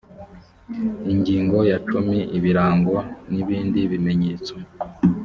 ingingo ya cumi ibirango n ibindi bimenyetso